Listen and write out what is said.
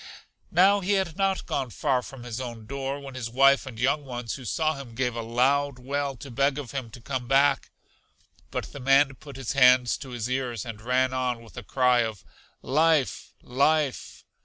Now he had not gone far from his own door, when his wife and young ones, who saw him, gave a loud wail to beg of him to come back; but the man put his hands to his ears, and ran on with a cry of Life! Life!